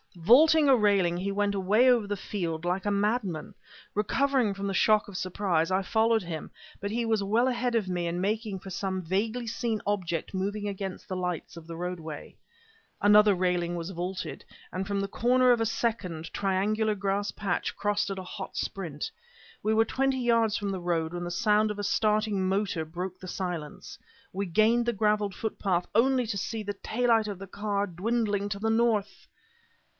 Vaulting a railing he went away over a field like a madman. Recovering from the shock of surprise, I followed him, but he was well ahead of me, and making for some vaguely seen object moving against the lights of the roadway. Another railing was vaulted, and the corner of a second, triangular grass patch crossed at a hot sprint. We were twenty yards from the road when the sound of a starting motor broke the silence. We gained the graveled footpath only to see the taillight of the car dwindling to the north!